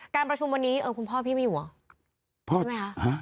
การประชุมวันนี้คุณพ่อพี่ไม่อยู่เหรอใช่ไหมคะ